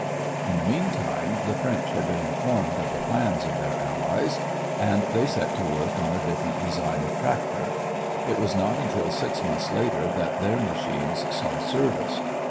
In the meantime the French had been informed of the plans of their allies, and they set to work on a different design of tractor. It was not until six months later that their machines saw service.